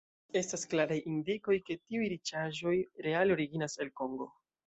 Estas klaraj indikoj, ke tiuj riĉaĵoj reale originas el Kongo.